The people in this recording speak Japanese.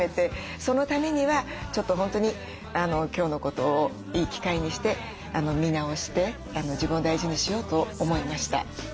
そのためにはちょっと本当に今日のことをいい機会にして見直して自分を大事にしようと思いました。